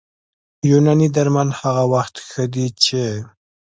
یوناني درمل هغه وخت ښه دي چې